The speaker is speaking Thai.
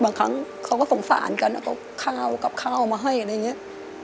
บางครั้งเขาก็สงสารกันเอาข้าวกับข้าวมาให้อะไรอย่างนี้